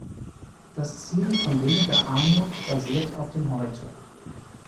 Das Ziel von weniger Armut basiert auf dem Heute.